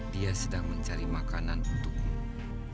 dia sedang mencari makanan untukmu